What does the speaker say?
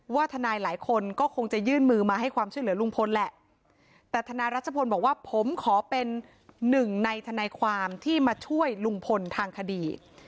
ทนายหลายคนก็คงจะยื่นมือมาให้ความช่วยเหลือลุงพลแหละแต่ทนายรัชพลบอกว่าผมขอเป็นหนึ่งในทนายความที่มาช่วยลุงพลทางคดี